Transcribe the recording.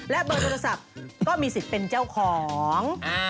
และเบอร์โทรศัพท์ก็มีสิทธิ์เป็นเจ้าของ